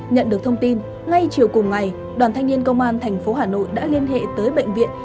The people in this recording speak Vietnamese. nhận được thông tin ngay chiều cùng ngày đoàn thanh niên công an thành phố hà nội đã liên hệ tới bệnh viện